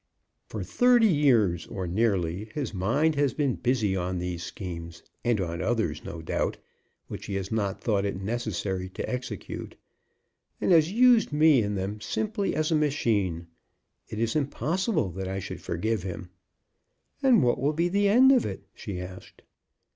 For thirty years, or nearly, his mind has been busy on these schemes, and on others, no doubt, which he has not thought it necessary to execute, and has used me in them simply as a machine. It is impossible that I should forgive him." "And what will be the end of it?" she asked.